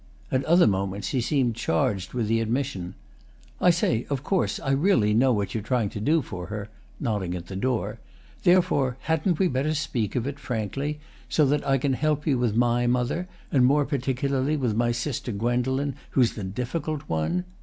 At other moments he seemed charged with the admission: "I say, of course I really know what you're trying to do for her," nodding at the door: "therefore hadn't we better speak of it frankly, so that I can help you with my mother, and more particularly with my sister Gwendolen, who's the difficult one?